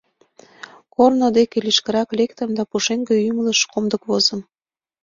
Корно деке лишкырак лектым да пушеҥге ӱмылыш комдык возым.